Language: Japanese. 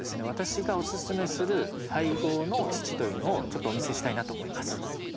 私がおすすめする配合の土というのをちょっとお見せしたいなと思います。